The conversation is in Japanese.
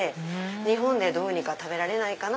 日本でどうにか食べられないかな？